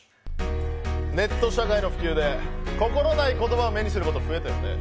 ネット社会の普及で心ない言葉を目にすること、増えたよね。